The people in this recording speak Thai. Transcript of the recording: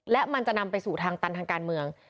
และมันจะนำไปสู่ทางตันทางการเมือง